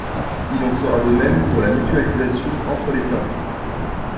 Il en sera de même pour la mutualisation entre les services.